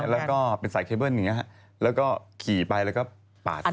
แล้วก็เป็นสายเคเบอร์นแบบนี้คลีกไปแล้วก็ปาดฟอง